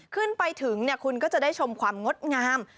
ขึ้นไปถึงคุณก็จะได้ชมความงดงาม